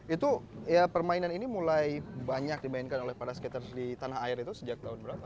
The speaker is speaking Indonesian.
itu ya permainan ini mulai banyak dimainkan oleh para skaters di tanah air itu sejak tahun berapa